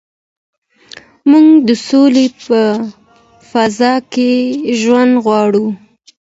موږ د سولې په فضا کي ژوند غواړو.